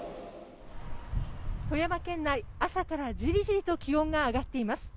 富山県内朝からじりじりと気温が上がっています。